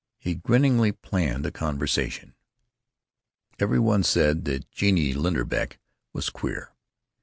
He grinningly planned a conversation. Every one said that "Genie Linderbeck was queer."